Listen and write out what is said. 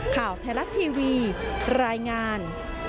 ข่าวแทรกทีวีรายงาน